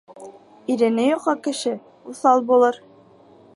Ирене йоҡа кеше уҫал булыр.